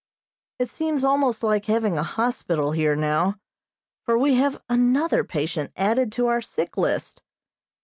It seems almost like having a hospital here now, for we have another patient added to our sick list.